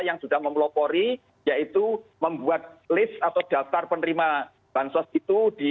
yang sudah memelopori yaitu membuat lift atau daftar penerima bansos itu di